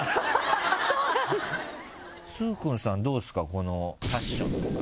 このファッションとか。